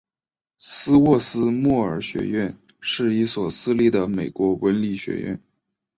斯沃斯莫尔学院是一所私立的美国文理学院。